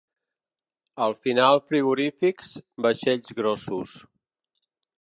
Al final frigorífics, vaixells grossos.